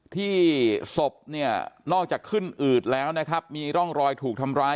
ที่ศพเนี่ยนอกจากขึ้นอืดแล้วนะครับมีร่องรอยถูกทำร้าย